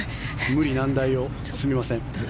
無理難題をすみません。